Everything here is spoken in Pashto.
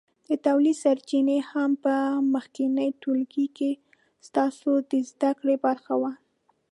د تولید سرچینې هم په مخکېني ټولګي کې ستاسو د زده کړې برخه وه.